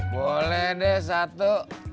boleh deh satu